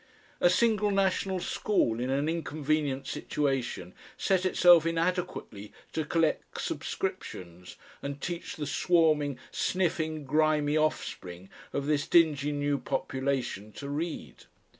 A single national school in an inconvenient situation set itself inadequately to collect subscriptions and teach the swarming, sniffing, grimy offspring of this dingy new population to read.